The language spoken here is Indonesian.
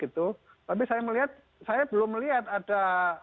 tapi saya melihat saya belum melihat ada